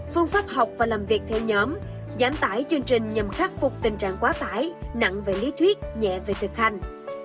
phương pháp học và làm việc theo nhóm giảm tải chương trình nhằm khắc phục tình trạng quá tải nặng về lý thuyết nhẹ về thực hành